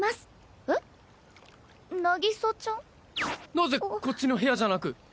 なぜこっちの部屋じゃなく？